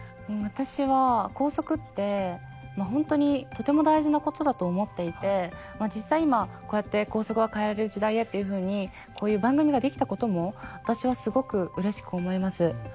私は校則って本当にとても大事なことだと思っていて実際今こうやって校則は変えられる時代へっていうふうにこういう番組が出来たことも私はすごくうれしく思います。